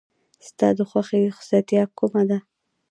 ستا د خوښې رخصتیا کومه ده؟